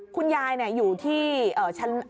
คุณยายอยู่ที่ชั้น